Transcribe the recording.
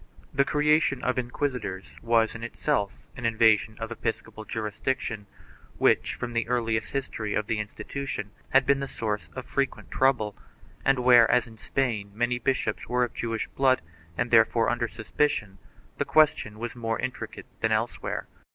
2 The creation of inquisitors was in itself an invasion of episcopal jurisdiction, which, from the earliest history of the institution, had been the source of frequent trouble, and where, as in Spain, many bishops were of Jewish blood and therefore under suspicion, the question . was more intricate than elsewhere.